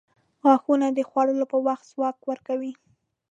• غاښونه د خوړلو پر وخت ځواک ورکوي.